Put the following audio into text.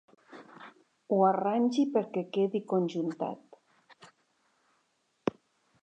Ho arrangi perquè quedi conjuntat.